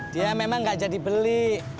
dia memang gak jadi beli